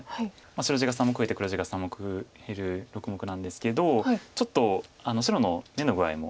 白地が３目増えて黒地が３目減る６目なんですけどちょっと白の眼の具合も。